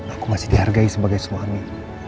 aku masih dihargai sebagai suami